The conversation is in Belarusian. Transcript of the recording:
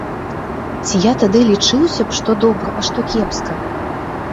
Ці я тады лічыўся б што добра, а што кепска?